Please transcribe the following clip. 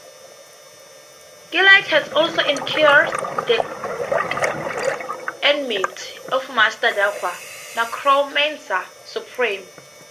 Gilad has also incurred the enmity of Master Darque - necromancer supreme.